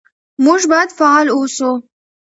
موږ باید فعال اوسو.